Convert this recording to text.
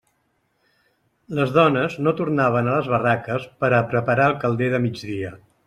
Les dones no tornaven a les barraques per a preparar el calder de migdia.